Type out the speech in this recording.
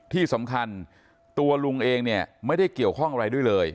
ที่สำคัญตัวลุงเองเนี่ยไม่ได้เกี่ยวข้องอะไรด้วยเลย